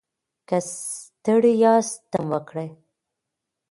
که ستړي یاست دم وکړئ.